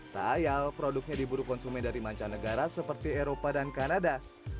sayang produknya diburu konsumen dari manca negara seperti eropa dan kanada